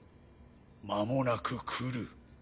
間もなく来る。